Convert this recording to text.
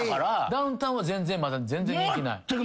ダウンタウンは全然まだ人気ない？